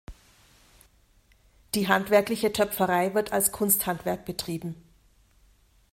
Die handwerkliche Töpferei wird als Kunsthandwerk betrieben.